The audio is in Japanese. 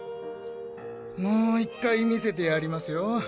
もう１回見せてやりますよ。